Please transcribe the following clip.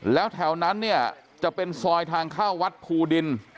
แล้วแถวนั้นเนี่ยจะเป็นซอยทางเข้าวัดภูดิน